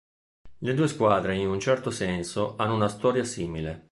Le due squadre in un certo senso hanno una storia simile.